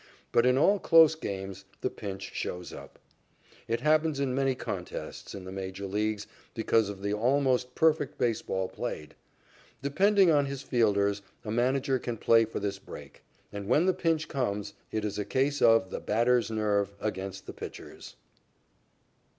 But in all close games the pinch shows up. It happens in many contests in the major leagues because of the almost perfect baseball played. Depending on his fielders, a manager can play for this "break." And when the pinch comes, it is a case of the batter's nerve against the pitcher's.